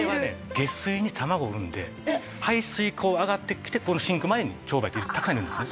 下水に卵を産んで排水口を上がってきてこのシンク周りにチョウバエってたくさんいるんですね。